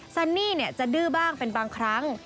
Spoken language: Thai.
ซันนี่จะดื้อบ้างเป็นบางครั้ง